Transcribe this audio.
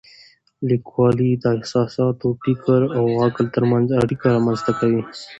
لیکوالی د احساساتو، فکر او عقل ترمنځ اړیکه رامنځته کوي.